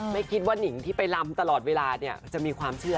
ไม่คิดว่านิงที่ไปลำตลอดเวลาเนี่ยจะมีความเชื่อ